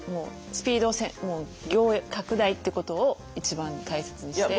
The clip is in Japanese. スピード拡大ってことを一番大切にして。